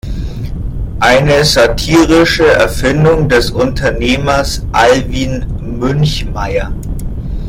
Eine satirische Erfindung des Unternehmers Alwin Münchmeyer.